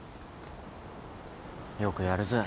よくやるぜ。